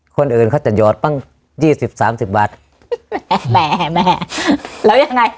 คนอื่นเขาจะหยอดตั้งยี่สิบสามสิบบาทแม่แม่แล้วยังไง